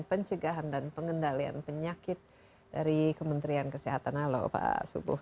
pencegahan dan pengendalian penyakit dari kementerian kesehatan halo pak subuh